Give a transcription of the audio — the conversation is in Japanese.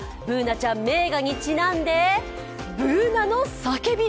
Ｂｏｏｎａちゃん、名画にちなんで、Ｂｏｏｎａの叫び。